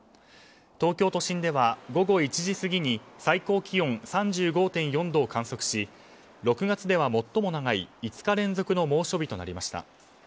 東京都心では午後１時過ぎに最高気温３５．４度を観測し６月では最も長い５日連続の猛暑日となりました。